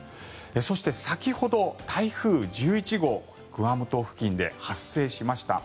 そして先ほど台風１１号グアム島付近で発生しました。